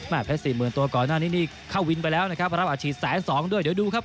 เพชร๔๐๐๐ตัวก่อนหน้านี้นี่เข้าวินไปแล้วนะครับรับอาชีพแสนสองด้วยเดี๋ยวดูครับ